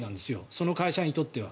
その会社にとっては。